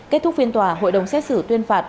kết thúc phiên tòa hội đồng xét xử tuyên phạt